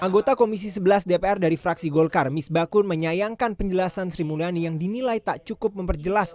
anggota komisi sebelas dpr dari fraksi golkar miss bakun menyayangkan penjelasan sri mulani yang dinilai tak cukup memperjelasan